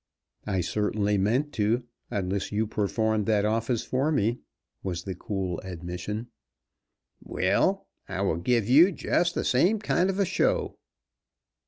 "I certainly meant to, unless you performed that office for me," was the cool admission. "Well, I will give you just the same kind of a show."